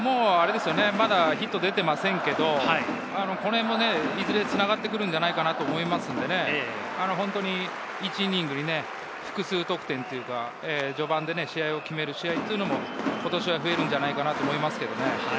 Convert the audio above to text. まだヒット出ていませんけれども、いずれ繋がってくるのではないかと思いますので、１イニングに複数得点というか、序盤で試合を決める試合というのも、今年は増えるのではないかと思います。